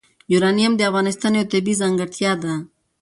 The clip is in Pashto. یورانیم د افغانستان یوه طبیعي ځانګړتیا ده.